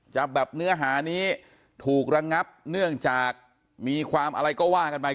แบบเนื้อหานี้ถูกระงับเนื่องจากมีความอะไรก็ว่ากันไป